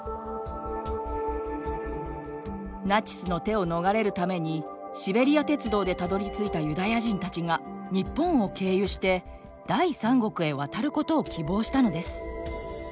ナチスの手を逃れるためにシベリア鉄道でたどりついたユダヤ人たちが日本を経由して第三国へ渡ることを希望したのです。